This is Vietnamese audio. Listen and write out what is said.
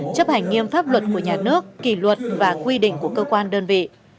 chấp hành nghiêm pháp luật của nhà nước kỷ luật và quy định của cơ quan đơn vị